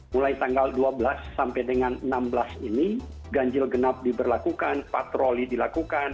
mulai tanggal dua belas sampai dengan enam belas ini ganjil genap diberlakukan patroli dilakukan